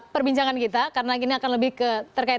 perbincangan kita karena ini akan lebih ke terkait